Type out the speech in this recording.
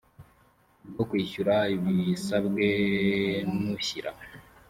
bwo kwishyura ibisabwe n ushyira